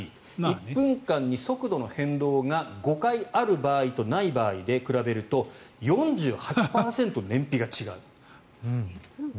１分間に速度の変動が５回ある場合とない場合で比べると４８％燃費が違う。